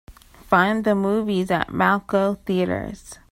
Find the movies at Malco Theatres.